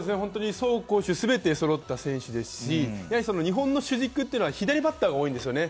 走攻守そろった選手ですし、日本の主軸、左バッターが多いんですよね。